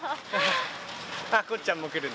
こっちゃんも来るね。